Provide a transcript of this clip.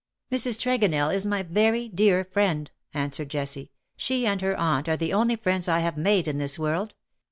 " Mrs. Tregonell is my very dear friend/'' answered Jessie. " She and her aunt are the only friends I have made in this world.